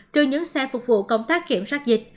trừ những xe phục vụ công tác kiểm soát dịch